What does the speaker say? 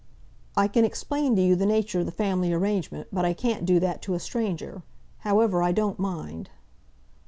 "I can explain to you the nature of the family arrangement, but I can't do that to a stranger. However, I don't mind."